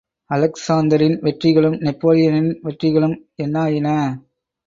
அலெக்சாந்தரின் வெற்றிகளும் நெப்போலியனின் வெற்றிகளும் என்னாயின!